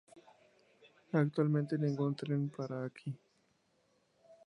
Actualmente ningún tren para aquí.